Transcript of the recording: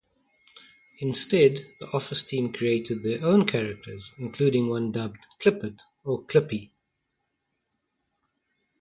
Instead the Office team created their own characters including one dubbed "Clippit" or "Clippy".